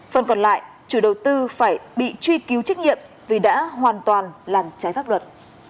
phần còn lại chủ đầu tư phải bị truy cứu trách nhiệm vì đã hoàn toàn làm trái pháp luật